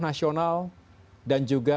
nasional dan juga